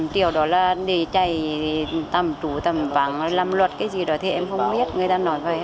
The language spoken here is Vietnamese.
tám triệu đó là để chạy tầm trú tầm vắng làm luật cái gì đó thì em không biết người ta nói vậy